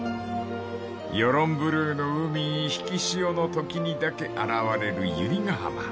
［ヨロンブルーの海に引き潮のときにだけ現れる百合ヶ浜］